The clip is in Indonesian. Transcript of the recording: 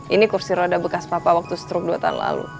ini kursi roda bekas papa waktu stroke dua tahun lalu